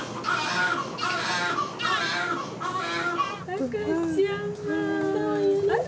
赤ちゃんだ。